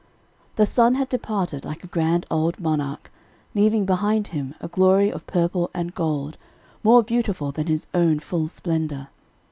The sun had departed like a grand old monarch, leaving behind him a glory of purple and gold more beautiful than his own full splendor.